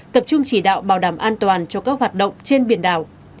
tập trung chỉ đạo bảo đảm an toàn cho các hoạt động trên biển đảo